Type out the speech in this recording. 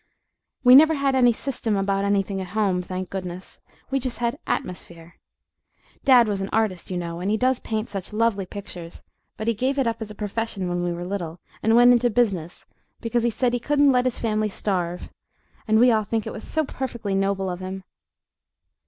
We never had any system about anything at home, thank goodness! We just had atmosphere. Dad was an artist, you know, and he does paint such lovely pictures; but he gave it up as a profession when we were little, and went into business, because, he said, he couldn't let his family starve and we all think it was so perfectly noble of him!